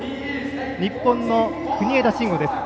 日本の国枝慎吾です。